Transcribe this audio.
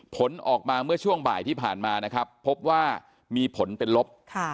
ผลออกมาเมื่อช่วงบ่ายที่ผ่านมานะครับพบว่ามีผลเป็นลบ